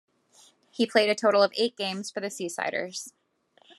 He played a total of eight games for the "Seasiders".